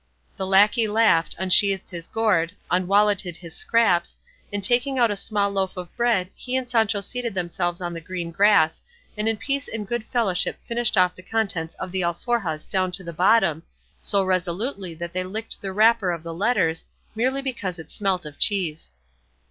The lacquey laughed, unsheathed his gourd, unwalletted his scraps, and taking out a small loaf of bread he and Sancho seated themselves on the green grass, and in peace and good fellowship finished off the contents of the alforjas down to the bottom, so resolutely that they licked the wrapper of the letters, merely because it smelt of cheese.